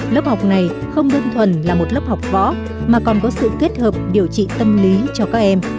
lớp học này không đơn thuần là một lớp học võ mà còn có sự kết hợp điều trị tâm lý cho các em